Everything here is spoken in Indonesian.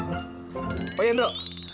apa ya indro